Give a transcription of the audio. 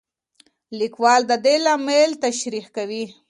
لیکوال د دې لامل تشریح کوي.